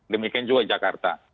demikian juga di jakarta